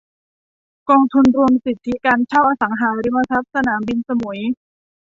กองทุนรวมสิทธิการเช่าอสังหาริมทรัพย์สนามบินสมุย